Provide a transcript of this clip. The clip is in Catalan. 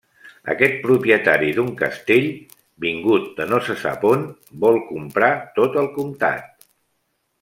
Aquest propietari d'un castell, vingut de no se sap on, vol comprar tot el comtat.